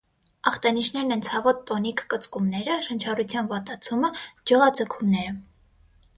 Ախտանիշներն են ցավոտ տոնիկ կծկումները, շնչառության վատացումը, ջղաձգումները։